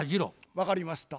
分かりました。